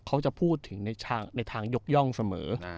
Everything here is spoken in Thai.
เขาจะพูดถึงในทางยกย่องเสมอ